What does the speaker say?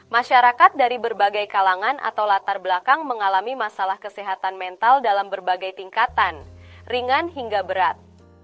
masyarakat dari berbagai kalangan atau latar belakang mengalami masalah kesehatan mental dalam berbagai tingkatan ringan hingga berat